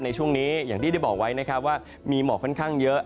ในช่วงนี้อย่างที่ได้บอกไว้นะครับว่ามีหมอกค่อนข้างเยอะ